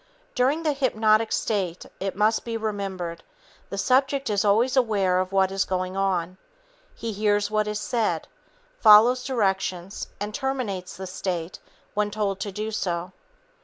During the hypnotic state, it must be remembered, the subject is always aware of what is going on. He hears what is said, follows directions and terminates the state when told to do so.